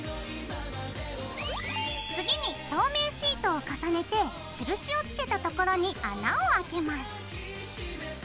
次に透明シートを重ねて印をつけた所に穴をあけます。